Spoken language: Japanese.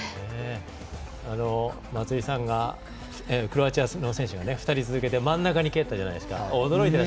松井さんがクロアチアの選手が２人続けて真ん中に蹴ったじゃないですか。